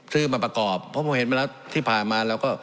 ซื้อมาประกอบเพราะผมเห็นเมื่อที่ผ่านมาแล้วก็